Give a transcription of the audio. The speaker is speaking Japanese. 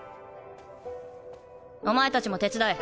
お前たちも手伝え。